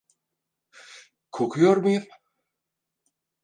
Kokuyor muyum?